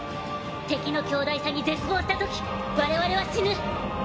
敵の強大さに絶望したとき我々は死ぬ。